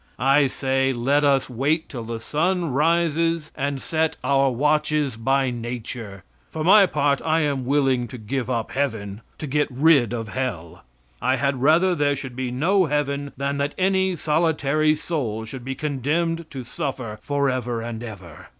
I say let us wait till the sun rises and set our watches by nature. For my part, I am willing to give up heaven to get rid of hell. I had rather there should be no heaven than that any solitary soul should be condemned to suffer forever and ever.